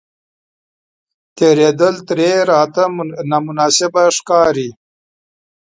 تېرېدل ترې راته نامناسبه ښکاري.